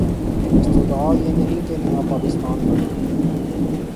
استدعا یہ نہیں کہ نیا پاکستان بنائیں۔